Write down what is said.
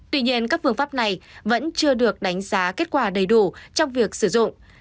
tuy nhiên các phương pháp này vẫn chưa được đánh giá kết quả đầy đủ trong việc sử dụng